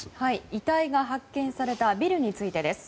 遺体が発見されたビルについてです。